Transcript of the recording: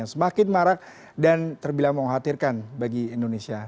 yang semakin marah dan terbilang mengkhawatirkan bagi indonesia